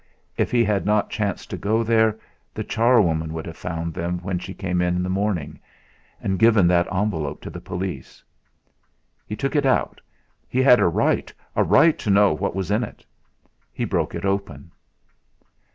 If he had not chanced to go there, the charwoman would have found them when she came in the morning, and given that envelope to the police! He took it out. He had a right a right to know what was in it! He broke it open.